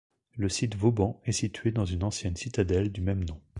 Le site Vauban est situé dans une ancienne citadelle du même nom.